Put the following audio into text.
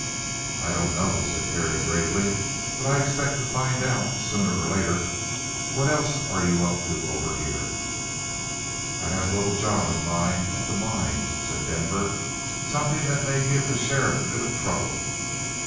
"I don't know," said Terry gravely. "But I expect to find out sooner or later. What else are you up to over here?" "I have a little job in mind at the mine," said Denver. "Something that may give the sheriff a bit of trouble."